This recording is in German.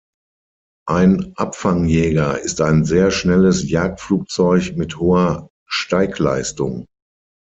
Ein Abfangjäger ist ein sehr schnelles Jagdflugzeug mit hoher Steigleistung.